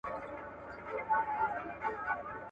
و دوی ته په علمي او عملي ډګر کي